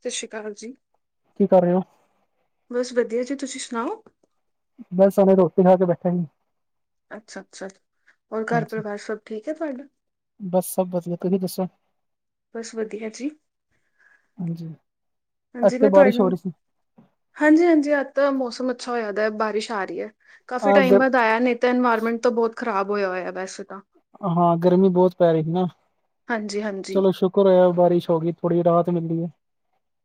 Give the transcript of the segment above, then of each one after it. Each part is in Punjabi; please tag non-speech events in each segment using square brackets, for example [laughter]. ਸਤਿ ਸ਼੍ਰੀ ਅਕਾਲ ਜੀ। ਕੀ ਕਰ ਰਹੇ ਹੋ? ਬਸ ਵਧੀਆ ਜੀ। ਤੁਸੀਂ ਸੁਣਾਓ? ਬਸ ਹੁਣੇ ਰੋਟੀ ਖਾ ਕੇ ਬੈਠਾ ਸੀ ਅੱਛਾ ਅੱਛਾ ਹੋਰ ਘਰ ਹਾਂਜੀ, ਪਰਿਵਾਰ ਸਭ ਠੀਕ ਏ ਤੁਹਾਡਾ ਬਸ ਸਭ ਵਧੀਆ ਤੁਸੀਂ ਦੱਸੋ ਬਸ ਵਧੀਆ ਜੀ [unintelligible] ਹਾਂਜੀ, ਅੱਜ ਹਾਂਜੀ ਤੇ ਮੈਂ ਬਾਰਿਸ਼ ਹੋ ਤੁਹਾਡੇ ਰਹੀ ਸੀ। ਹਾਂਜੀ ਹਾਂਜੀ ਅੱਜ ਤਾਂ ਮੌਸਮ ਅੱਛਾ ਹੋਇਆਦਾ ਬਾਰਿਸ਼ ਆ ਰਹੀ ਹੈ ਕਾਫ਼ੀ ਆ ਟਾਈਮ ਗਰ ਬਾਅਦ ਆਇਆ ਨੇ ਤੇ ਇਨਵਾਇਰਮੈਂਟ ਤੋਂ ਬਹੁਤ ਖ਼ਰਾਬ ਹੋਇਆ ਹੋਇਆ ਵੈਸੇ ਤਾਂ ਹਾਂ, ਗਰਮੀ ਬਹੁਤ ਪੈ ਰਹੀ ਸੀ ਨਾ ਹਾਂਜੀ, ਹਾਂਜੀ। ਚਲੋ ਸ਼ੁਕਰ ਹੋਇਆ ਬਾਰਿਸ਼ ਹੋ ਗਈ। ਥੋੜੀ ਰਾਤ ਪੈਂਦੀ ਐ ।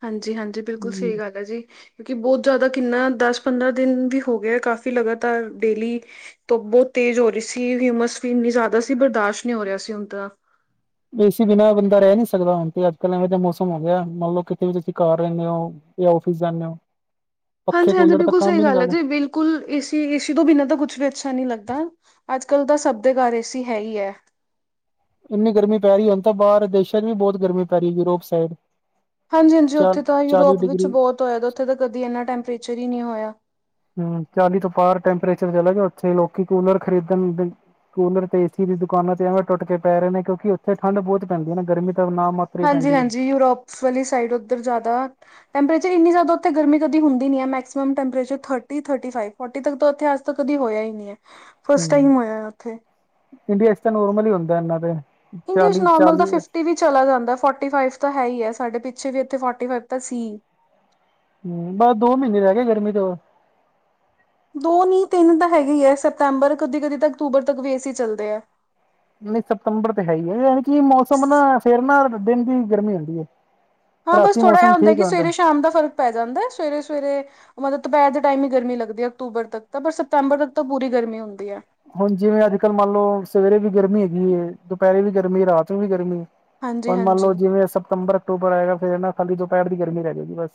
ਹਾਂਜੀ, ਹਾਂਜੀ, ਬਿਲਕੁਲ ਸਹੀ ਗੱਲ ਏ ਜੀ। ਕਿਉਕਿ ਬਹੁਤ ਜ਼ਿਆਦਾ ਕਿੰਨਾ ਦਸ, ਪੰਦਰਾਂ ਦਿਨ ਵੀ ਹੋ ਗਿਆ। ਕਾਫੀ ਲਗਾਤਾਰ ਡੇਲੀ ਧੁੱਪ ਬਹੁਤ ਤੇਜ਼ ਹੋ ਰਹੀ ਸੀ। ਹਿਊਮਸ ਵੀ ਇੰਨੀ ਜ਼ਿਆਦਾ ਸੀ। ਬਰਦਾਸ਼ਤ ਨਹੀਂ ਹੋ ਰਿਹਾ ਸੀ। ਹੁਣ ਤ ਏਸੀ ਬਿਨਾਂ ਬੰਦਾ ਰਹਿ ਨੀ ਸਕਦਾ। ਹੁਣ ਤੇ ਅੱਜ ਕੱਲ ਐਵੇਂ ਦਾ ਮੌਸਮ ਹੋ ਗਿਆ। ਮੰਨਲਓ ਕਿਤੇ ਵੀ ਤੁਸੀਂ ਘਰ ਰਹਿੰਦੇ ਹੋ ਇਹ ਓਫਿਸ ਜਾਂਨੇ ਓ ਹਾਂਜੀ, ਹਾਂਜੀ ਬਿਲਕੁਲ ਸਹੀ ਗੱਲ ਹੈ ਜੀ। ਬਿਲਕੁ ਬਿਲਕੁਲ ਏਸੀ, ਏਸੀ ਤੋਂ ਬਿਨਾਂ ਤਾਂ ਕੁਛ ਵੀ ਅੱਛਾ ਨਹੀਂ ਲੱਗਦਾ। ਅੱਜ ਕੱਲ੍ਹ ਤਾਂ ਸਭ ਦੇ ਘਰ ਏ ਸੀ ਹੈ ਈ ਐ । ਇੰਨੀ ਗਰਮੀ ਪੈ ਰਹੀ। ਹੁਣ ਤਾਂ ਬਾਹਰ ਦੇਸ਼ਾਂ ਚ ਵੀ ਬਹੁਤ ਗਰਮੀ ਪੈ ਰਹੀ ਹੈ। Europe side. ਹਾਂਜੀ, ਹਾਂਜੀ। ਚ ਉੱਥੇ ਤਾਂ ਚਾਲੀ ਯੂਰੋਪ ਵਿੱਚ ਡਿਗਰੀ ਬਹੁਤ ਹੋਇਆ। ਉੱਥੇ ਤਾਂ ਕਦੀ ਇੰਨਾ ਟੈਂਪਰੇਚਰ ਹੀ ਨਹੀਂ ਹੋਇਆ। ਹੂੰ ਚਾਲੀ ਤੋਂ ਬਾਹਰ ਟੈਂਪਰੇਚਰ ਚਲੇ ਗਿਆ ਉੱਥੇ ਲੋਕੀ ਕੂਲਰ ਖਰੀਦਣਦੇ। ਕੂਲਰ ਤੇ ਏਸੀ ਦੀ ਦੁਕਾਨਾਂ ਤੇ ਐਵੇਂ ਟੁੱਟ ਕੇ ਪੈ ਰਹੇ ਨੇ ਕਿਉਂਕਿ ਉੱਥੇਠੰਢ ਬਹੁ ਪੈਂਦੀ ਹੈ ਨਾ ਗਰਮੀ ਤਾਂ ਨਾ ਮ ਹਾਂਜੀ, ਹਾਂਜੀ। ਯੂਰੋਪ ਵਾਲੀ ਸਾਈਡ ਉੱਧਰ ਜ਼ਿਆਦਾ ਟੈਂਪਰੇਚਰ ਇੰਨੀ ਜ਼ਿਆਦਾ ਉੱਥ ਗਰਮੀ ਕਦੀ ਹੁੰਦੀ ਨਹੀਂ ਹੈ। Maximum temperature thirty, thirty five forty ਤੱਕ ਉਥੇ ਅਜ ਤ ਕਦੀ ਹੋਇਆ ਹੀ ਨ ਨਹੀਂ ਹੈ। ਹੂੰ ਫਸਟ ਟਾਈਮ ਹੋਇਆ ਉੱਥੇ। ਇੰਡੀਆ ਚ ਤਾਂ ਨੋਰਮਲ ਹੀ ਹੁੰਦਾ ਇਹਨਾਂ ਤੇ ਇੰਡੀਆ ਚ ਚਾਲੀ ਨੋਰਮਲ ਦਾ ਚਾਲੀ ਫਿਫਟੀ ਵੀ ਚਲਾ ਜਾਂਦਾ ਫੋਰਟੀ ਫਾਈਵ ਤਾਂ ਹੈ ਹੀ ਹੈ। ਸਾਡੇ ਪਿੱਛੇ ਵੀ ਇੱਥੇ ਫੋਰਟੀ ਫਾਈਵ ਤਾਂ ਸੀ। ਹੂੰ ਬਸ ਦੋ ਮਹੀਨੇ ਰਹਿ ਗਏ ਗਰਮੀ ਦੇ ਹੋਰ। ਦੋ ਨੀ ਤਿੰਨ ਤਾਂ ਹੈਗੇ ਈ ਐ ਸਪਤੰਬਰ ਕਦੇ- ਕਦੇ ਤਾਂ ਅਕਤੂਬਰ ਤੱਕ ਵੀ ਏਸੀ ਚੱਲਦੇ ਆ। ਨਹੀਂ ਸਤੰਬਰ ਤੇ ਹੈ ਹੀ ਹੈ ਯਾਨੀ ਕਿ ਮੌਸਮ ਨਾ ਫੇਿਰ ਨਾ ਦਿਨ ਦੀ ਗਰਮੀ ਹੁੰਦੀ ਹੈ। ਹਾਂ ਬਸ ਰਾਤੀ ਥੋੜ੍ਹਾ ਇਹ ਮੌਸਮ ਹੁੰਦਾ ਠੀਕ ਕਿ ਸਵੇਰੇ ਸ਼ਾਮ ਦਾ ਫਰਕ ਪੈ ਜਾਂਦਾ ਸਵੇਰੇ- ਸਵੇਰੇ ਉਹ ਮਤਲਬ ਦੁਪਹਿਰ ਦੇ ਟਾਈਮ ਹੀ ਗਰਮੀ ਲੱਗਦੀ ਹੈ ਅਕਤੂਬਰ ਤੱਕ ਤਾਂ ਪਰ ਸਪਤੰਬਰ ਤੱਕ ਤਾਂ ਪੂਰੀ ਗਰਮੀ ਹੁੰਦੀ ਹੈ। ਹੁਣ ਜਿਵੇਂ ਅੱਜਕੱਲ੍ਹ ਮੰਨ ਲਓ ਸਵੇਰੇ ਵੀ ਗਰਮੀ ਹੈਗੀ ਹੈ, ਦੁਪਹਿਰੇ ਵੀ ਗਰਮੀ, ਰਾਤ ਨੂੰ ਵੀ ਗਰਮੀ। ਹਾਂਜੀ ਹੁਣ ਮੰਨ ਹਾਂਜੀ ਲਓ ਜਿਵੇਂ ਸਪਤੰਬਰ-ਅਕਤੂਬਰ ਆਏਗਾ ਫਿਰ ਨਾ ਖਾਲੀ ਦੁਪਹਿਰ ਦੀ ਗਰਮੀ ਰਹਿ ਜਾਏਗੀ ਬਸ।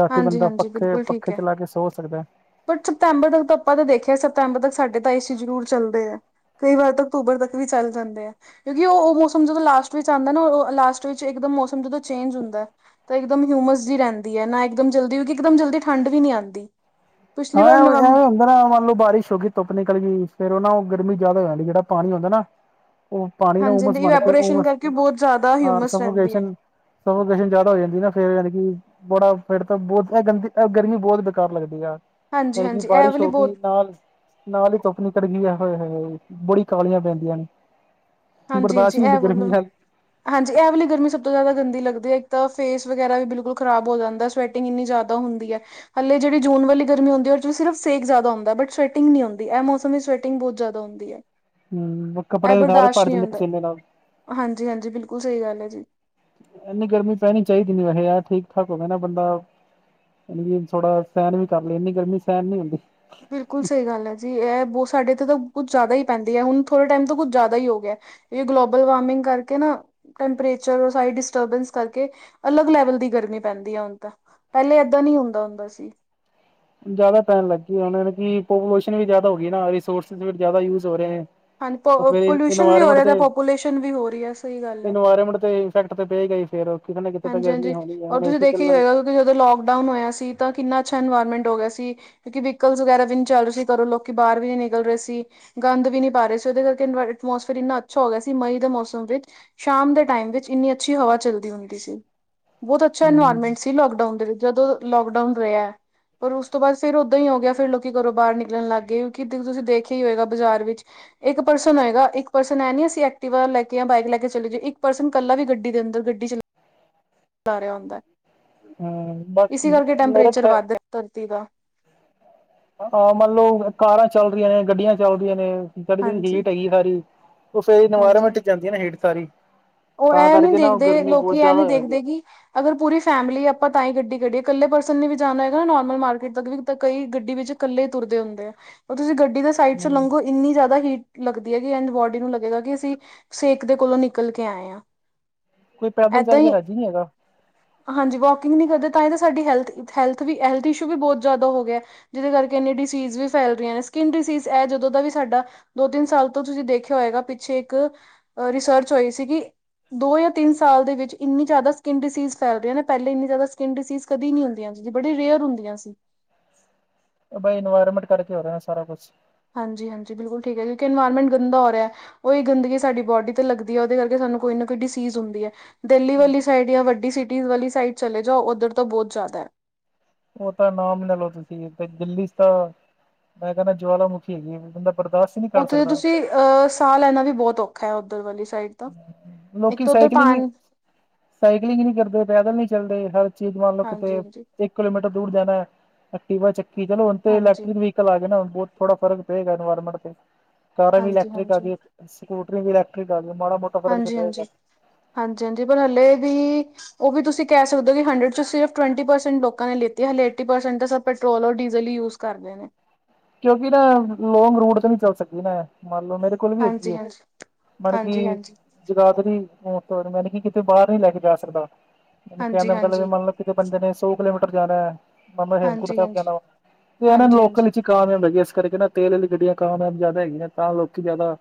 ਰਾਤੀ ਹਾਂਜੀ ਬੰਦਾ ਹਾਂਜੀ ਪੱਖੇ ਪੱਖੇ ਚਲਾ ਕੇ ਸੋ ਸਕਦਾ। ਪਰ ਸਤੰਬਰ ਤੱਕ ਤਾਂ ਆਪਾਂ ਤਾਂ ਦੇਖਿਆ ਸਤੰਬਰ ਤੱਕ ਸਾਡੇ ਤਾਂ ਏਸੀ ਜ਼ਰੂਰ ਚੱਲਦੇ ਆ। ਕਈ ਵਾਰ ਤਾਂ ਅਕਤੂਬਰ ਤੱਕ ਵੀ ਚੱਲ ਜਾਂਦੇ ਆ। ਕਿਉਂਕਿ ਉਹ ਉਹ ਮੌਸਮ ਜਦੋਂ ਲਾਸਟ ਵਿੱਚ ਆਉਂਦਾ ਨਾ ਉਹ ਲਾਸਟ ਵਿੱਚ ਇਕਦਮ ਮੌਸਮ ਜਦੋਂ ਚੇਂਜ ਹੁੰਦਾ। ਤਾਂ ਇੱਕਦਮ ਹਿਊਮਸ ਜੀ ਰਹਿੰਦੀ ਹੈ ਨਾ ਇਕਦਮ ਜਲਦੀ ਕਿਉਂਕਿ ਇੱਕਦਮ ਜਲਦੀ ਠੰਡ ਵੀ ਨਹੀਂ ਆਉਂਦੀ। ਪਿਛਲੀ ਹਾਂ ਵਾਰ ਐਵੇਂ ਨਵੰਬ ਹੁੰਦਾ ਨਾ ਮੰਨ ਲਓ ਬਾਰਿਸ਼ ਹੋ ਗਈ ਧੁੱਪ ਨਿਕਲ ਗਈ ਫੇਰ ਉਹ ਨਾ ਉਹ ਗਰਮੀ ਜ਼ਿਆਦਾ ਹੋ ਜਾਂਦੀ ਜਿਹੜਾ ਪਾਣੀ ਹੁੰਦਾ ਨਾ ਉਹ ਪਾਣੀ ਨਾ ਹਾਂਜੀ ਦੀ ਉਮਸ ਬਣ ਕੇ ਇਵੈਪੋਰੇਸ਼ਨ ਉਸ ਕਰਕੇ ਬਹੁਤ ਜ਼ਿਆਦਾ ਹਿਊਮਸ ਰਹਿੰਦੀ ਹੈ। ਸਫੋਕੇਸ਼ਨ ਜ਼ਿਆਦਾ ਹੋ ਜਾਂਦੀ ਨਾ ਫੇਰ ਯਾਨੀ ਕੀ ਬੜਾ ਫ਼ਿਰ ਬਹੁਤ ਇਹ ਗੰਦੀ ਗਰਮੀ ਬਹੁਤ ਬੇਕਾਰ ਲੱਗਦੀ ਆ। ਹੈਗੀ ਹਾਂਜੀ-ਹਾਂਜੀ ਇਹ ਬਾਰਿਸ਼ ਵਾਲੀ ਹੋ ਗਈ ਬਹੁਤ ਨਾਲ ਨਾਲ ਹੀ ਧੁੱਪ ਨਿੱਕਲ ਗਈ ਆ ਹੋਏ ਹੋਏ ਬੁੜੀ ਕਾਲੀਆਂ ਪੈਂਦੀਆਂ ਨੇ। ਬਰਦਾਸ਼ਤ ਹਾਂਜੀ-ਹਾਂਜੀ ਨਹੀਂ ਇਹ ਹੁੰਦੀ ਗਰਮੀ ਵੱਲ ਹੱਲ। ਹਾਂਜੀ ਇਹ ਵਾਲੀ ਗਰਮੀ ਸਭ ਤੋਂ ਜ਼ਿਆਦਾ ਗੰਦੀ ਲੱਗਦੀ ਹੈ ਇੱਕ ਤਾਂ ਫੇਸ ਵਗੈਰਾ ਵੀ ਬਿਲਕੁਲ ਖਰਾਬ ਹੋ ਜਾਂਦਾ ਸਵੈ ਟਿੰਗ ਇੰਨੀ ਜ਼ਿਆਦਾ ਹੁੰਦੀ ਆ। ਹਲੇ ਜਿਹੜੀ ਜੂਨ ਵਾਲੀ ਗਰਮੀ ਹੁੰਦੀ ਉਹ ਸਿਰਫ ਸੇਕ ਜਿਆਦਾ ਹੁੰਦਾ ਬਟ ਸਵੈਟਿੰਗ ਨੀ ਹੁੰਦੀ ਇਹ ਮੌਸਮ ਵਿੱਚ ਸਵੈ ਟਿੰਗ ਬਹੁਤ ਜਿਆਦਾ ਹੁੰਦੀ ਹੈ। ਹੂੰ ਇਹ ਕੱਪੜੇ ਸਾਰੇ ਬਰਦਾਸ਼ਤ ਭਰ ਨਹੀਂ ਜਾਂਦੇ। ਪਸੀਨੇ ਨਾਲ ਹਾਂਜੀ-ਹਾਂਜੀ ਬਿਲਕੁਲ ਸਹੀ ਗੱਲ ਹੈ ਜੀ। ਇੰਨੀ ਗਰਮੀ ਪੈਣੀ ਚਾਹੀਦੀ ਨੀ ਵੈਸੇ ਯਾਰ ਠੀਕ-ਠਾਕ ਹੋਵੇ ਨਾ ਬੰਦਾ ਥੋੜ੍ਹਾ ਸਹਿਣ ਵੀ ਕਰ ਲਈਏ ਇੰਨੀ ਗਰਮੀ ਸਹਿਣ ਨੀ ਹੁੰਦੀ। ਬਿਲਕੁਲ ਸਹੀ ਗੱਲ ਹੈ ਜੀ ਇਹ ਬਹੁਤ ਸਾਡੇ ਇੱਥੇ ਤਾਂ ਕੁੱਛ ਜ਼ਿਆਦਾ ਹੀ ਪੈਂਦੀ ਹੈ। ਹੁਣ ਥੋੜੇ ਟਾਈਮ ਤੋਂ ਕੁੱਝ ਜ਼ਿਆਦਾ ਹੀ ਹੋ ਗਿਆ। ਇਹ ਗਲੋਬਲ ਵਾਰਮਿੰਗ ਕਰਕੇ ਨਾ ਟੈਂਪਰੇਚਰ ਸਾਰੀ ਡਿਸਟਰਬੈਂਸ ਕਰਕੇ ਅਲੱਗ ਲੈਵਲ ਦੀ ਗਰਮੀ ਪੈਂਦੀ ਹੈ ਹੁਣ ਤਾਂ। ਪਹਿਲੇ ਏਦਾਂ ਨੀ ਹੁੰਦਾ ਹੁੰਦਾ ਸੀ। ਜਿਆਦਾ ਪੈਣ ਲੱਗੀ ਉਹਨਾਂ ਨੂੰ ਕਿ ਪੋਪੂਲੇਸ਼ਨ ਵੀ ਜ਼ਿਆਦਾ ਹੋ ਗਈ ਨਾ ਰਿਸੋਰਸਿਸ ਵੀ ਜ਼ਿਆਦਾ ਯੂਜ ਹੋ ਰਹੇ ਨੇ। ਹਾਂਜੀ ਫੇਰ ਪੋਲਿਊਸ਼ਨ ਵੀ ਹੋ ਇਨਵਾਇਰਮੈਂਟ ਰਿਹਾ ਤੇ, ਤਾਂ ਪੋਪੂਲੇਸ਼ਨ ਵੀ ਹੋ ਰਹੀ ਹੈ ਸਹੀ ਗੱਲ ਹੈ। ਇਨਵਾਇਰਮੈਂਟ ਤੇ ਇਫੈਕਟ ਤੇ ਪਏਗਾ ਹੀ ਫੇਰ ਕਿਤੇ ਨਾ ਕਿਤੇ ਤਾਂ ਗਰਮੀ ਹਾਂਜੀ-ਹਾਂਜੀ ਹੋਣੀ ਹੈ ਔਰ ਹੁਣ ਏ ਤੁਸੀਂ ਸੀ ਦੇਖਿਆ ਹੀ ਚੱਲਣ ਹੋਏਗਾ ਕਿਉਂਕਿ ਜਦੋਂ ਲੌਕਡਾਊਨ ਹੋਇਆ ਸੀ ਤਾਂ ਕਿੰਨਾ ਅੱਛਾ ਇਨਵਾਇਰਮੈਂਟ ਹੋ ਗਿਆ ਸੀ। ਕਿਉਂਕਿ ਵੀਕਲਸ ਵਗੈਰਾ ਵੀ ਨੀ ਚੱਲ ਰਹੇ ਸੀ ਘਰੋ ਲੋਕ ਬਾਹਰ ਵੀ ਨੀ ਨਿਕਲ ਰਹੇ ਸੀ। ਗੰਦ ਵੀ ਨਹੀਂ ਪਾ ਰਹੇ ਸੀ ਉਹਦੇ ਕਰਕੇ ਐਟਮੋਸਫੇਅਰ ਇੰਨਾ ਅੱਛਾ ਹੋ ਗਿਆ ਸੀ ਮਈ ਦੇ ਮੌਸਮ ਵਿੱਚ। ਸ਼ਾਮ ਦੇ ਟਾਈਮ ਵਿੱਚ ਇੰਨੀ ਅੱਛੀ ਹਵਾ ਚੱਲਦੀ ਹੁੰਦੀ ਸੀ। ਬਹੁਤ ਅੱਛਾ ਹੂੰ ਇਨਵਾਇਰਮੈਂਟ ਸੀ। ਲੌਕਡਾਊਨ ਦੇ ਵਿੱਚ ਜਦੋਂ ਲੌਕਡਾਊਨ ਹੋਇਆ ਪਰ ਉਸ ਤੋਂ ਬਾਅਦ ਫਿਰ ਓਦਾਂ ਹੀ ਹੋ ਗਿਆ ਫਿਰ ਲੋਕੀ ਘਰੋਂ ਬਾਹਰ ਨਿਕਲਣ ਲੱਗ ਗਏ ਕਿਉਕਿ ਤੁਸੀਂ ਦੇਖਿਆ ਹੀ ਹੋਏਗਾ ਬਾਜ਼ਾਰ ਵਿੱਚ। ਇੱਕ ਪਰਸਨ ਹੋਏਗਾ ਇੱਕ ਪਰਸਨ ਹੈ ਨੀ ਅਸੀਂ ਐਕਟਿਵਾ ਲੈਕੇ ਜਾਂ ਬਾਈਕ ਲੈ ਕੇ ਚਲੇ ਜੇਏ ਇੱਕ ਪਰਸਨ ਇਕੱਲਾ ਵੀ ਗੱਡੀ ਦੇ ਅੰਦਰ ਗੱਡੀ ਚਲੇ ਰਿਹਾ ਹੁੰਦਾ ਹੂੰ ਬਸ ਇਸੀ ਕਰਕੇ ਮੇਰੇ ਟੈਂਪਰੇਚਰ ਖਿਆ ਵੱਧ ਰਿਹਾ ਧਰਤੀ ਦਾ ਆਹ ਮੰਨ ਲਓ ਕਾਰਾਂ ਚੱਲ ਰਹੀਆਂ ਨੇ, ਗੱਡੀਆਂ ਚੱਲ ਰਹੀਆਂ ਨੇ ਗੱਡੀਆਂ ਦੀ ਹਾਂਜੀ ਹੀਟ ਹੈਗੀ ਸਾਰੀ। ਉਹ ਫੇਰ ਹਾਂਜੀ ਇਨਵਾਇਰਮੈਂਟ ਜਾਂਦੀ ਹੈ ਨਾ ਹੀਟ ਸਾਰੀ। ਉਹ ਤਾਂ ਐਂ ਨੀ ਕਰਕੇ ਨਾ ਉਹ ਦੇਖਦੇ ਗਰਮੀ ਬਹੁਤ ਲੋਕੀ ਇਹ ਜ਼ਿਆਦਾ ਨਹੀਂ ਹੋ ਜਾਂਦੀ। ਦੇਖਦੇ ਕਿ ਅਗਰ ਪੂਰੀ ਫੈਮਿਲੀ ਆਪਾਂ ਤਾਂ ਹੀ ਗੱਡੀ ਕੱਢੀਏ ਇਕੱਲੇ ਪਰਸਨ ਨੇ ਵੀ ਜਾਣਾ ਹੈਗਾ ਨਾ ਨੋਰਮਲ ਮਾਰਕੀਟ ਤੱਕ ਵੀ ਤਾਂ ਕਈ ਗੱਡੀ ਵਿੱਚ ਇਕੱਲੇ ਹੀ ਤੁਰਦੇ ਹੁੰਦੇ ਆ। ਉਹ ਤੁਸੀਂ ਗੱਡੀ ਦਾ ਸਾਈਡ ਚੋਂ ਹੂੰ ਲੰਘੋ ਇੰਨੀ ਜ਼ਿਆਦਾ ਹੀਟ ਲੱਗਦੀ ਹੈਗੀ ਐਂਡ ਬੋਡੀ ਨੂੰ ਲੱਗੇਗਾ ਕਿ ਅਸੀਂ ਸੇਕ ਦੇ ਕੋਲੋਂ ਨਿਕਲ ਕੇ ਆਏ ਆ। ਕੋਈ ਪੈਦਲ ਚੱਲ ਕੇ ਰਾਜੀ ਨੀ ਹੈਗਾ। ਹਾਂਜੀ ਵੋਕਿੰਗ ਨਹੀਂ ਕਰਦੇ ਤਾਂ ਹੀ ਤਾਂ ਸਾਡੀ ਹੈਲਥ ਹੈਲਥ ਵੀ ਹੈਲਥ ਇਸ਼ੂ ਵੀ ਬਹੁਤ ਜ਼ਿਆਦਾ ਹੋ ਗਿਆ ਜਿਹਦੇ ਕਰਕੇ ਇਹਨੇ ਡਿਸੀਜ਼ ਵੀ ਫੈਲ ਰਹੀਆਂ ਨੇ ਸਕਿੰਨ ਡਿਸੀਜ਼ ਇਹ ਜਦੋਂ ਦਾ ਵੀ ਸਾਡਾ ਦੋ ਤਿੰਨ ਸਾਲ ਤੋਂ ਤੁਸੀਂ ਦੇਖਿਆ ਹੋਏਗਾ ਪਿੱਛੇ ਇੱਕ ਰਿਸਰਚ ਹੋਈ ਸੀਗੀ ਦੋ ਜਾਂ ਤਿੰਨ ਸਾਲ ਦੇ ਵਿੱਚ ਇੰਨੀ ਜ਼ਿਆਦਾ ਸਕਨ ਡਿਸੀਜ਼ ਫੈਲ ਰਹੀ ਏ ਨਾ ਪਹਿਲੇ ਇੰਨੀ ਜ਼ਿਆਦਾ ਸਕਿਨ ਡਿਸੀਜ਼ ਕਦੀ ਨੀ ਹੁੰਦੀਆਂ ਜਦੀ ਬੜੀ ਰੇਅਰ ਹੁੰਦੀਆਂ ਸੀ ਬਾਈ ਇਨਵਾਇਰਮੈਂਟ ਕਰਕੇ ਹੋ ਰਿਹਾ ਸਾਰਾ ਕੁਛ ਹਾਂਜੀ ਹਾਂਜੀ ਬਿਲਕੁਲ ਠੀਕ ਹੈ ਕਿਉਂਕਿ ਇਨਵਾਇਰਮੈਂਟ ਗੰਦਾ ਹੋ ਰਿਹਾ ਉਹ ਹੀ ਗੰਦਗੀ ਸਾਡੀ ਬੋਡੀ ਤੇ ਲੱਗਦੀ ਏ ਉਹਦੇ ਕਰਕੇ ਸਾਨੂੰ ਕੋਈ ਨਾ ਕੋਈ ਡਿਸੀਜ਼ ਹੁੰਦੀ ਹੈ ਦਿੱਲੀ ਵਾਲੀ ਸਾਈਡ ਜਾਂ ਵੱਡੀ ਸਿਟੀ ਵਾਲੀ ਸਾਈਡ ਚਲੇ ਜਾਓ ਉੱਧਰ ਤੋਂ ਬਹੁਤ ਜ਼ਿਆਦਾ ਉਹ ਤਾਂ ਨਾਮ ਲੈ ਲਓ ਤੁਸੀਂ ਦਿੱਲੀ ਤਾਂ ਮੈਂ ਕਹਿੰਨਾ ਜੁਵਾਲਾ ਮੁਖੀ ਹੈਗੀ ਬੰਦਾ ਬਰਦਾਸ਼ ਉੱਥੇ ਤੁਸੀਂ ਅਹ ਸਾਹ ਲੈਣਾ ਵੀ ਬਹੁਤ ਔਖਾ ਏ ਉੱਧਰ ਵਾਲੀ ਸਾਈਡ। ਤਾਂ ਇੱਕ ਲੋਕੀ ਤਾਂ ਉੱਧਰ ਸਾਈਕਲਿੰਗ ਈ ਪਾਣੀ ਸਾਈਕਲਿੰਗ ਨੀ ਕਰਦੇ ਪੈਦਲ ਨੀ ਚੱਲਦੇ ਹਰ ਚੀਜ਼ ਮੰਨ ਲਓ ਹਾਂਜੀ ਕਿਤੇ ਹਾਂਜੀ ਇੱਕ ਕਿਲੋਮੀਟਰ ਦੂਰ ਜਾਣਾ, ਐਕਟਿਵਾ ਚੱਕੀ ਚਲੋ ਹੁਣ ਤੇ ਹਾਂਜੀ ਇਲੈਕਟ੍ਰਿਕ ਵੀ ਚਲਾ ਦੇ ਨਾ, ਬਹੁਤ ਥੋੜਾ ਫਰਕ ਪਏਗਾ ਐਨਵਾਇਰਮੈਂਟ ਤੇ, ਕਾਰਾਂ ਵੀ ਹਾਂਜੀ ਹਾਂਜੀ ਇਲੈਕਟ੍ਰਿਕ ਆ ਹਾਂਜੀ ਗਈ। ਸਕੂਟਰੀ ਵੀ ਇਲੈਟ੍ਰਿਕ ਆ ਗਈ ਮਾੜਾ ਮੋ ਹਾਂਜੀ-ਹਾਂਜੀ, ਹਾਂਜੀ-ਹਾਂਜੀ ਪਰ ਹੱਲੇ ਵੀਂ ਉਹ ਵੀ ਤੁਸੀਂ ਕਹਿ ਸਕਦੇ ਹੋ ਕਿ ਹੰਡਰਡ ਚ ਸਿਰਫ ਟਵੈਂਟੀ ਪਰਸੈਂਟ ਲੋਕਾਂ ਨੇ ਲੀਤੀ ਏ ਹਲੇ ਏਟੀ ਪਰਸੈਂਟ ਤਾਂ ਸਭ ਪੈਟਰੋਲ ਔਰ ਡੀਜ਼ਲ ਹੀ ਯੂਜ ਕਰਦੇ ਨੇ। ਕਿਉਂਕਿ ਨਾ ਲੌਂਗ ਰੂਟ ਤੇ ਨੀ ਚੱਲ ਸਕਦੀ ਨਾ, ਮੰਨ ਲਓ ਮੇਰੇ--, ਕੋਲ ਵੀ ਹੈਗੀ ਹਾਂਜੀ ਏ, ਹਾਂਜੀ [inaudible] [inaudible] ਹਾਂਜੀ ਬਲਕਿ- ਹਾਂਜੀ ਜਗਾਦਰੀ, ਮੈ ਨੀ ਕਿਤੇ ਬਾਹਰ ਨੀ ਲੈ ਕੇ ਜਾ ਸਕਦਾ, ਮੇਰੇ ਕਹਿਨ ਹਾਂਜੀ ਹਾਂਜੀ ਦਾ ਮਤਲਬ ਹਾਂਜੀ ਮਨਲ- ਕਿਤੇ ਬੰਦੇ ਨੇ ਸੌ ਕਿਲੋਮੀਟਰ ਜਾਣਾ ਏ ਮ ਮੈ ਹੇਮਕੁਟ ਸਾਹਿਬ ਹਾਂਜੀ ਜਾਣਾ ਵਾ ਤੇ ਇਹਨਾਂ ਨੂੰ ਹਾਂਜੀ ਹਾਂਜੀ ਲੋਕਲ ਹੀ ਕਾਮਯਾਬ ਹੈਗੀ ਇਸ ਕਰਕੇ ਨਾ ਤੇਲ ਵਾਲੀ ਗੱਡੀਆਂ ਕਾਮਯਾਬ ਜ਼ਿਆਦਾ ਹੈਗੀਆਂ ਨੇ ਤਾਂ ਲੋਕੀ ਜ਼ਿਆਦਾ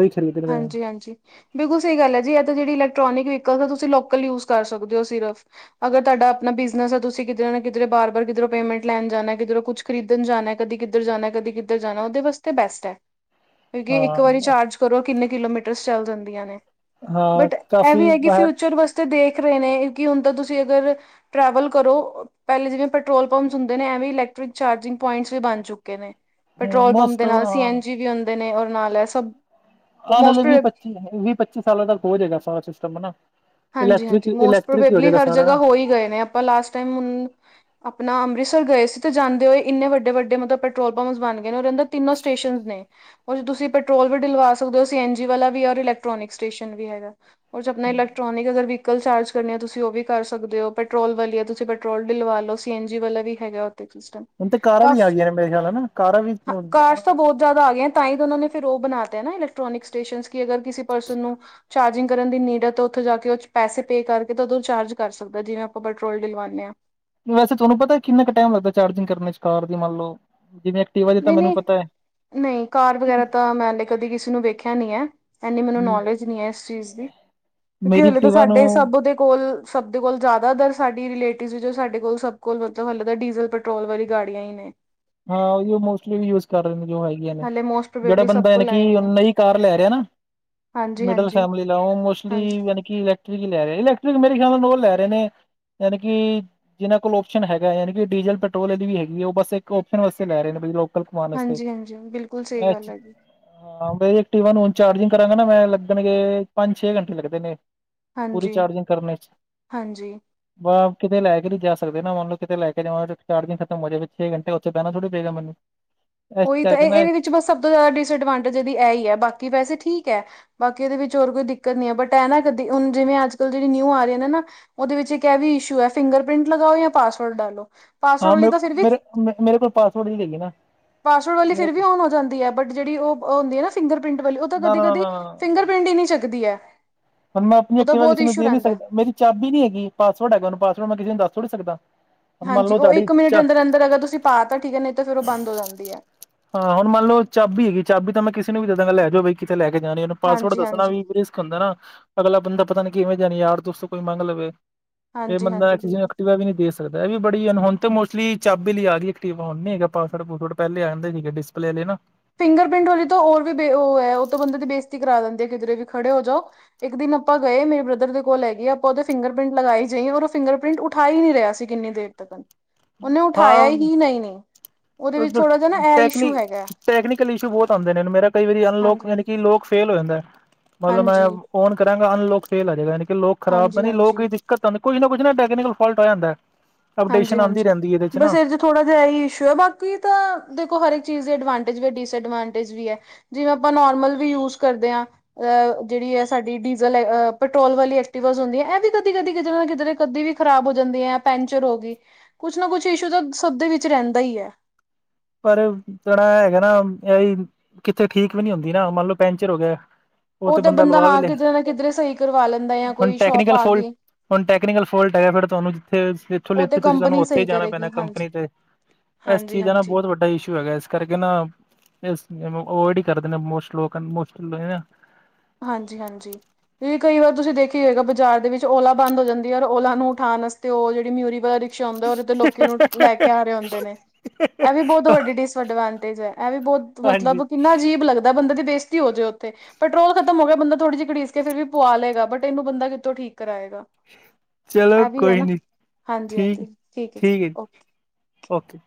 ਹੀ ਖੇਡ [inaudible] ਹਾਂਜੀ ਹਾਂਜੀ ਬਿਲਕੁਲ ਸਹੀ ਗੱਲ ਹੈ ਜੀ ਇਹ ਤਾਂ ਜਿਹੜੀ ਇਲੈਕ੍ਰੋਨਿਕ ਵਹੀਕਲ ਆ ਤੁਸੀਂ ਲੋਕਲ ਯੂਜ ਕਰ ਸਕਦੇ ਹੋ ਸਿਰਫ ਅਗਰ ਤੁਹਾਡਾ ਆਪਣਾ ਬਿਜ਼ਨਸ ਏ ਤੁਸੀਂ ਕਿਧਰੇ ਨਾ ਕਿਧਰੇ ਬਾਰ-ਬਾਰ ਕਿਧਰੋਂ ਪੇਮੈਂਟ ਲੈਨ ਜਾਣਾ ਕਿਧਰੋਂ ਕੁਛ ਖਰੀਦਣ ਜਾਣਾ ਕਦੀ ਕਿੱਧਰ ਜਾਣਾ ਕਦੀ ਕਿੱਧਰ ਜਾਣਾ ਉਹਦੇ ਵਾਸਤੇ ਬੈਸਟ ਏ। ਕਿਉਂਕਿ ਇੱਕ ਵਾਰੀ ਹਾਂ ਚਾਰਜ ਕਰੋ ਕਿੰਨੇ ਕਿਲੋਮੀਟਰਸ ਚੱਲ ਜਾਂਦੀਆਂ ਨੇ। ਹਾਂ but, A we coffee A Ki future ਵਾਸਤੇ ਦੇਖ ਰਹੇ ਨੇ ਕੀ ਹੁਣ ਤਾਂ ਤੁਸੀਂ ਅਗਰ ਟਰੈਵਲ ਕਰੋ। ਪਹਿਲੇ ਜਿਵੇਂ ਪੈਟਰੋਲ ਪੰਪਸ ਹੁੰਦੇ ਨੇ ਏਵੇ ਈ ਇਲੈਕਟ੍ਰਿਕ ਚਾਰਜਿੰਗ ਪੁਆਇੰਟਸ ਵੀ ਬਨ ਚੁੱਕੇ ਨੇ। ਪੈਟਰੋਲ ਪੰਪ ਮੋਸਟ ਦੇ ਨਾਲ ਸੀ ਐਨ ਹਾਂ ਜੀ ਵੀ ਹੁੰਦੇ ਨੇ ਔਰ ਨਾਲ ਏ ਸਭ ਆਣ ਆਲਾ ਵੀਹ ਮੋਸਟ ਪੱਚੀ, ਵੀਹ ਪੱਚੀ ਸਾਲਾਂ ਤੱਕ ਹੋ ਜਾਏਗਾ ਸਾਰਾ ਸਿਸਟਮ ਹੈਨਾ। ਹਾਂਜੀ-ਹਾਂਜੀ ਮੋਸਟ ਪ੍ਰੋਬੇਬਲੀ ਹਰ ਸਾਰਾ ਨਾ। ਜਗ੍ਹਾ ਹੋਈ ਗਏ ਨੇ। ਲਾਸਟ ਟਾਈਮ ਹੁਨ, ਆਪਣਾ ਅੰਮ੍ਰਿਤਸਰ ਗਏ ਸੀ ਤੇ ਜਾਂਦੇ ਹੋਏ ਇੰਨੇ ਵੱਡੇ-ਵੱਡੇ ਮਤਲਬ ਪਟ ਪਟਰੋਲ ਪੰਪਸ ਬਣ ਗਏ ਨੇ ਉਹਦੇ ਅੰਦਰ ਤਿੰਨੋ ਸਟੇਸ਼ਨਸ ਨੇ। ਹੁਣ ਤੁਸੀਂ ਪੈਟਰੋਲ ਵੀ ਡਲਵਾ ਸਕਦੇ ਹੋ ਸੀ ਐਨ ਜੀ ਵਾਲਾ ਵੀ ਔਰ ਇਲੈਕਟ੍ਰੋਨਿਕ ਸਟੇਸ਼ਨ ਵੀ ਹੈਗਾ, ਉਹ ਚ ਆਪਣਾ ਇਲੈਕ ਵਹੀਕਲ ਚਾਰਜ ਕਰਨੀ ਆ ਤੁਸੀਂ ਉਹ ਵੀ ਕਰ ਸਕਦੇ ਓ ਪੈਟਰੋਲ ਵਾਲੀ ਆ ਤੁਸੀਂ ਪੈਟਰੋਲ ਡਲਵਾ ਲਓ ਸੀ ਐਨ ਜੀ ਵਾਲਾ ਵੀ ਹੈਗਾ ਉੱਥੇ ਸਿਸਟਮ। ਹੁਣ ਤੇ ਕਾਰਾਂ ਵੀ ਕਾਫੀ ਆ ਗਈਆਂ ਨੇ ਮੇਰੇ ਖਿਆਲ ਹਨਾ, ਕਾਰਾਂ ਵੀ ਆ ਤਾਂ ਬਹੁਤ ਜ਼ਿਆਦਾ ਆ ਗਏ ਆ। ਤਾਂ ਈ ਤਾਂ ਉਹਨਾਂ ਨੇ ਫਿਰ ਉਹ ਬਣਾਤੇ ਨਾ ਇਲੈਕਟ੍ਰੋਨਿਕ ਸਟੇਸ਼ਨ ਕਿ ਅਗਰ ਕਿਸੇ ਪਰਸਨ ਨੂੰ, ਚਾਰਜਿੰਗ ਕਰਨ ਦੀ ਨੀਡ ਆ ਤੋ ਉੱਥੇ ਜਾ ਕੇ ਉਹ ਚ ਪੈਸੇ ਪੇ ਕਰਕੇ ਤੇ ਉਦੋਂ ਚਾਰਜ ਕਰ ਸਕਦਾ ਏ ਜਿਵੇਂ ਆਪਾਂ ਪੈਟਰੋਲ ਡਿਲਵਾਉਂਦੇ ਆਂ। ਵੈਸੇ ਤੁਹਾਨੂੰ ਪਤਾ ਕਿੰਨਾ ਕੁ ਟਾਈਮ ਲੱਗਦਾ ਚਾਰਜਿੰਗ ਕਰਨ ਚ ਕਾਰ ਦੀ ਮੰਨ ਲਓ, ਜਿਵੇਂ ਐਕਟਿਵਾ ਦੀ ਤਾਂ ਨਹੀਂ ਮੈਨੂੰ ਨਹੀਂ ਪਤਾ । ਨਹੀਂ ਕਾਰ ਵਗੈਰਾ ਤਾਂ ਮੈੇ ਤੇ ਕਦੇ ਕਿਸੇ ਨੂੰ ਵੇਖਿਆ ਨਹੀਂ ਏ। ਏਨੀ ਮੈਨੂੰ ਨੌਲੇਜ ਨੀ ਏ ਇਸ ਚੀਜ਼ ਦੀ, ਕਿਉਂਕਿ ਮੇਰੀ ਹਲੇ ਤਾਂ ਐਕਟੀਵਾ ਨੂੰ ਸਾਡੇ ਸਭਦੇ ਕੋਲ ਸਭ ਦੇ ਕੋਲ ਜ਼ਿਆਦਾ ਦਰ ਸਾਡੀ ਰਿਲੇਟਿਵ ਜੋ ਸਾਡੇ ਕੋਲ ਸਭ ਕੋਲ ਮਤਲਬ ਹਲੇੇ ਤਾਂ ਡੀਜ਼ਲ ਪੈਟਰੋਲ ਵਾਲੀ ਗਾੜੀਆਂ ਈ ਨੇਂ। ਹਾਂ ਉਹੀ ਓ ਮੋਸਟਲੀ ਵੀ ਯੂਜ ਕਰ ਰਹੇ ਨੇ ਜੋ ਆਈ ਆ ਨੇ, ਹਲੇ ਮੋਸਟ ਜਿਹੜਾ ਪ੍ਰੋਬੇਬਲੀ ਸਭ ਬੰਦਾ ਯਾਨੀ ਕੋਲ ਕੀ ਆਏ ਨੇ ਨਈਂ ਕਾਰ ਲੈ ਰਿਹਾ ਨਾ ਹਾਂਜੀ ਮਿਡਲ ਹਾਂਜੀ ਫੈਮਲੀ ਲਾ ਉਹ ਮੋਸਟਲੀ ਹਾਂਜੀ ਯਾਨੀ ਕਿ ਇਲੈਕਟ੍ਰਿਕ ਹੀ ਲੈ ਰਹੇ ਨੇ, ਇਲੈਕਟ੍ਰਿਕ ਮੇਰੇ ਖਿਆਲ ਨਾਲ ਉਹ ਲੈ ਰਹੇ ਨੇ। ਯਾਨੀ ਕੀ, ਜਿਹਨਾਂ ਕੋਲ ਓਪਸ਼ਨ ਹੈਗਾ ਆ ਯਾਨੀ ਕਿ ਡੀਜ਼ਲ ਪੈਟਰੋਲ ਵਾਲੀ ਵੀ ਹੈਗੀ ਐ ਉਹ ਬੱਸ ਇੱਕ ਇੱਕ ਓਪਸ਼ਨ ਵਾਸਤੇ ਲੈ ਰਹੇ ਨੇ ਲੋਕਲ ਕਮਾਉਣ ਵਾਸਤੇ। ਹਾਂਜੀ ਹਾਂਜੀ ਬਿਲਕੁਲ ਸਹੀ ਮੈਂ ਗੱਲ ਚ ਹੈ ਜੀ ਹਾਂ ਬਈ ਐਕਟਿਵਾ ਨੂੰ ਚਾਰਜਿੰਗ ਕਰਾਂਗੇ ਨਾ ਮੈਂ ਲੱਗਣਗੇ ਪੰਜ-ਛੇ ਘੰਟੇ ਲੱਗਦੇ ਨੇ। ਪੂਰੀ ਹਾਂਜੀ ਚਾਰਜਿੰਗ ਕਰਨੇ 'ਚ। ਹਾਂਜੀ ਬਾਹਰ ਕਿਤੇ ਲੈ ਕੇ ਨੀ ਜਾ ਸਕਦੇ ਨਾ ਮੰਨ ਲਓ ਕਿਤੇ ਲੈ ਕੇ ਜਾਵਾ ਜੇ ਚਾਰਜਿੰਗ ਖਤਮ ਹੋ ਜਾਵੇ ਛੇ ਘੰਟੇ ਉ ਥੇ ਬਹਿਨਾ ਥੋੜ੍ਹੀ ਪਏਗਾ ਮੈਂਨੂੰ। ਉਹੀ ਤਾਂ ਇਹ ਇਹਦੇ ਵਿੱਚ ਬਸ ਸਭ ਤੋਂ ਜ਼ਿਆਦਾ ਡਿਸਐਡਵਾਂਟੇਜ ਇਹਦੀ ਇਹ ਹੀ ਹੈ ਬਾਕੀ ਵੈਸੇ ਠੀਕ ਹੈ। ਬਾਕੀ ਇਹਦੇ ਵਿੱਚ ਹੋਰ ਕੋਈ ਦਿੱਕਤ ਨੀ ਹੈ ਬਟ ਐਂ ਨਾ ਕਦੀ ਹੁਣ ਜਿਵੇਂ ਅੱਜਕੱਲ ਜਿਹੜੀ ਨਿਊ ਆ ਰਹੀ ਹੈ ਨਾ ਉਹਦੇ ਵਿੱਚ ਇੱਕ ਇਹ ਵੀ ਇਸ਼ੂ ਹੈ ਫਿੰਗਰਪਿੰਟ ਲਗਾਓ ਜਾਂ ਪਾਸਵਰਡ ਡਾਲੋ। ਪਾਸਵਰਡ ਹਾਂ ਵਾਲੀ ਤਾਂ ਮੇਰੇ ਫਿਰ ਵੀ ਮੇਰੇ ਮ ਮੇਰੇ ਕੋਲ ਪਾਸਵੋਰਡ ਨਹੀਂ ਹੈਗੀ ਨਾ। ਪਾਸਵਰਡ ਵਾਲੀ ਫਿਰ ਮੇਰੇ ਵੀ ਆਨ ਹੋ ਜਾਂਦੀ ਹੈ ਬਟ ਜਿਹੜੀ ਉਹ ਹੁੰਦੀ ਹੈ ਨਾ ਫਿੰਗਰਪਿੰਟ ਵਾਲੀ ਉਹ ਤਾਂ ਨਾ ਕਦੀ ਨਾ ਨਾ ਕਦੇ ਨਾ ਨਾ। ਫਿੰਗਰਪਿੰਟ ਹੀ ਨਹੀਂ ਚੱਕਦੀ ਐ। ਹੁਣ ਮੈਂ ਆਪਣੀ ਐਕਟੀਵਾ ਕਿਸੇ ਨੂੰ ਦੇ ਨੀ ਸਕਦਾ ਮੇਰੀ ਚਾਬੀ ਨੀ ਹੈਗੀ ਪਾਸਵਰਡ ਹੈਗਾ ਉਹਨੂੰ ਪਾਸਵਡ ਮੈਂ ਕਿਸੇ ਨੂੰ ਦੱਸ ਥੋੜੀ ਸਕਦਾ। ਹੁਣ ਮੰਨ ਹਾਂਜੀ ਲਓ ਉਹ ਤੁਹਾਡੀ ਇੱਕ ਮਿੰਟ ਦੇ ਚਾ ਅੰਦਰ-ਅੰਦਰ ਅਗਰ ਤੁਸੀਂ ਪਾ ਤਾ ਠੀਕ ਹੈ ਨਹੀਂ ਤਾਂ ਫੇਰ ਉਹ ਬੰਦ ਹੋ ਜਾਂਦੀ ਹੈ। ਹਾਂ ਹੁਣ ਮੰਨ ਲਓ ਚਾਬੀ ਹੈਗੀ ਚਾਬੀ ਤਾਂ ਮੈਂ ਕਿਸੇ ਨੂੰ ਵੀ ਦੇ ਦਾਂਗਾ ਲੈ ਜਾਓ ਬਈ ਵੀ ਕਿਤੇ ਲੈ ਕੇ ਜਾਣੇ ਉਹਨੂੰ ਪਾਸਵਰਡ ਹਾਂਜੀ ਦੱਸਣਾ ਹਾਂਜੀ ਵੀ ਹੁੰਦਾ ਨਾ, ਅਗਲਾ ਬੰਦਾ ਪਤਾ ਨੀ ਕਿਵੇਂ ਜਾਣੀ ਯਾਰ ਦੋਸਤ ਕੋਈ ਮੰਗ ਲਵੇ। ਇਹ ਹਾਂਜੀ ਬੰਦਾ ਹਾਂਜੀ ਕਿਸੇ ਬਿਲਕੁਲ ਨੂੰ ਐਕਟਿਵਾ ਵੀ ਨਹੀਂ ਦੇ ਸਕਦਾ। ਸਕਦਾ। ਇਹ ਵੀ ਬੜੀ ਅਨ ਹੁਨ ਤੇ ਮੋਸਟਲੀ ਚਾਬੀ ਆਲੀ ਆ ਗਈ ਐਕਟਿਵਾ ਹੁਣ ਨੀ ਹੈਗਾ ਪਾਸਵਰਡ ਪੋਸਵਰਡ ਪਹਿਲੇ ਆ ਜਾਂਦਾ ਸੀ। ਤੇ ਡਿਸਪਲੇ ਨੇ ਨਾ ਫਿੰਗਰਪ੍ਰਿੰਟ ਵਾਲੀ ਤਾਂ ਔਰ ਵੀ ਬੇ ਉਹ ਐ ਉਹ ਤਾਂ ਬੰਦੇ ਦੀ ਬੇਜਤੀ ਕਰਾ ਦਿੰਦੀ ਕਿਧਰੇ ਵੀ ਖੜੇ ਹੋ ਜਾਓ। ਇੱਕ ਦਿਨ ਆਪਾਂ ਗਏ ਮੇਰੇ ਬ੍ਰਦਰ ਦੇ ਕੋਲ ਹੈਗੀ ਏ ਆਪਾਂ ਉਹਦੇ ਫਿੰਗਰ ਪ੍ਰਿੰਟ ਲਗਾਈ ਜਾਈਏ ਔਰ ਉਹ ਫਿੰਗਰ ਪ੍ਰਿੰਟ ਉਠਾ ਈ ਨਈਂ ਰਿਹਾ ਸੀ। ਕਿੰਨੀ ਦੇਰ ਤੱਕ। ਉਹਨੇ ਉਠਾਇਆ ਹਾਂ ਹੀ ਨਈਂ-ਨਈਂ। ਉਹਦੇ ਵਿੱਚ ਥੋੜਾ ਜਾ ਨਾ ਐ ਟੈਕਨੀ ਇਸ਼ੂ ਹੈਗਾ। ਟੈਕਨੀਕਲ ਇਸ਼ੂ ਬਹੁਤ ਆਉਂਦੇ ਨੇ ਮੇਰਾ ਕਈ ਵਾਰੀ ਅਨਲੋਕ ਹਾਂਜੀ। ਯਾਨੀ ਕਿ ਲੋਕ ਫੇਲ ਹੋ ਜਾਂਦਾ, ਮਤਲਬ ਹਾਂਜੀ, ਮੈਂ ਔਨ ਕਰਾਂਗਾ, ਅਨਲੋਕ ਫੇਲ ਆ ਜਾਏਗਾ ਯਾਨੀ ਕਿ ਲੋਕ ਖਰਾਬ ਹੈ ਹਾਂਜੀ, ਨਈਂ ਲੋਕ ਹਾਂਜੀ। ਦਿ [unintelligible] ਕੁੱਛ ਨਾ ਕੁੱਛ ਨਾ ਟੈਕਨੀਕਲ ਫੋਲਟ ਹੋ ਜਾਂਦਾ ਅਪਡੇਸ਼ਨ ਆਉਂਦੀ ਹਾਂਜੀ-ਹਾਂਜੀ। ਰਹਿੰਦੀ ਹੈ ਇਹਦੇ ਚ ਬਸ ਨਾ। ਇਹ ਥੋੜਾ ਜਿਹਾ ਇਹ ਈ ਇਸ਼ੂ ਹੈ ਬਾਕੀ ਤਾਂ ਦੇਖੋ ਹਰ ਇੱਕ ਚੀਜ਼ ਦੀ ਐਡਵਾਂਟੇਜ ਵੀ ਐ ਡਿਸਡਵਾਂਟੇਜ ਵੀ ਹੈ। ਜਿਵੇਂ ਆਪਾਂ ਨੋਰਮਲ ਵੀ ਯੂਜ ਕਰਦੇ ਹਾਂ। ਅਹ ਜਿਹੜੀ ਹੈ ਸਾਡੀ ਡੀਜ਼ਲ ਏ ਪੈਟਰੋਲ ਵਾਲੀ ਐਕਟੀਵਾਜ ਹੁੰਦੀ ਆ ਇਹ ਵੀ ਕਦੀ-ਕਦੀ ਕਿ ਕਿਧਰੇ ਕਦੀ ਵੀ ਖ਼ਰਾਬ ਹੋ ਜਾਂਦੀ ਹੈ ਪੈਂਚਰ ਹੋ ਗਈ, ਕੁੱਛ ਨਾ ਕੁਛ ਇਸ਼ੂ ਤਾਂ ਸਭ ਦੇ ਵਿੱਚ ਰਹਿੰਦਾ ਹੀ ਹੈ। ਪਰ ਜਿਹੜਾ ਹੈਗਾ ਨਾ ਇਹ ਕਿੱਥੇ ਠੀਕ ਵੀ ਨੀ ਹੁੰਦੀ ਨਾ ਮੰਨ ਲੋ ਪੈਂਚਰ ਹੋ ਗਿਆ। ਉਹ ਤੇ ਬੰਦਾ ਹਾਂ ਕਿਧਰੇ ਨਾ ਕਿਧਰੇ ਸਹੀ ਕਰਵਾ ਲੈਂਦਾ ਜਾਂ ਹੁਣ ਕੋਈ ਸ਼ੋਪ ਟੈਕਨੀਕਲ ਆ ਫੋਲਟ ਗਈ। ਹੁਣ ਟੈਕਨੀਕਲ ਫੋਲਟ ਹੈਗਾ ਫਿਰ ਤੁਹਾਨੂੰ ਜਿੱਥੇ ਜਥੋਂ ਲੇ ਉਹ ਤੇ ਤੁਸੀਂ ਤੁਹਾਨੂੰ ਕੰਪਨੀ ਉੱਥੇ ਹੀ ਸਹੀ ਜਾਣਾ ਕਰੇਗੀ ਪੈਣਾ ਕੰਪਨੀ ਤੇ। ਹਾਂਜੀ। ਇਹਦਾ ਨਾ ਹਾਂਜੀ-ਹਾਂਜੀ। ਬਹੁਤ ਵੱਡਾ ਇਸ਼ੂ ਹੈਗਾ ਇਸ ਕਰਕੇ ਨਾ, ਇਸ ਚੀਜ਼ ਨੂੰ ਓਵਾਇਡ ਹੀ ਕਰਦੇ ਨੇ ਮੋਸਟ ਲੋਕ [unintelligible] ਹਾਂਜੀ-ਹਾਂਜੀ। ਵੀ ਕਈ ਵਾਰ ਤੁਸੀਂ ਦੇਖਿਆ ਹੋਏਗਾ ਬਾਜ਼ਾਰ ਦੇ ਵਿੱਚ, ਓਲਾ ਬੰਦ ਹੋ ਜਾਂਦੀ ਹੈ ਔਰ ਲਾ ਨੂੰ ਉਠਾਉਣ ਵਾਤੇ ਉਹ ਜਿਹੜੀ ਮਿਊਰੀ ਵਗੈ ਪਿੱਛੇ ਆਉਂਦਾ ਉਹਦੇ ਤੇ ਲੋਕੀ ਨੂੰ ਲੈ ਕੇ ਆ ਰਹੇ ਹੁੰਦੇ ਨੇ। ਇਹ ਵੀ ਬਹੁਤ ਵੱਡੀ ਡਿਸਐਡਵਾਂਟੇਜ ਹੈ ਇਹ ਵੀ ਬਹੁਤ ਹਾਂਜੀ ਮਤਲਬ ਕਿੰਨਾ ਅਜੀਬ ਲੱਗਦਾ। ਬੰਦੇ ਦੇ ਬੇਜ਼ਤੀ ਹੋ ਜੇ ਉੱਥੇ ਬਟ ਪਟਰੋਲ ਖਤਮ ਹੋ ਗਿਆ ਬੰਦਾ ਥੋੜੀ ਜੀ ਘੜੀਸ ਕੇ ਫਿਰ ਵੀ ਪਵਾ ਲਏਗਾ ਬਟ ਇਹਨੂੰ ਬੰਦਾ ਕਿੱਥੋਂ ਠੀਕ ਕਰਾਏਗਾ। ਚਲੋ ਇਹ ਵੀ ਹੈ ਕੋਈ ਨਾ, ਨੀ ਠੀਕ ਹਾਂਜੀ-ਹਾਂਜੀ ਠੀਕ ਹੈ ਜੀ ਓਕੇ। ਓਕੇ।